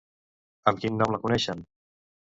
Amb quin nom la coneixen?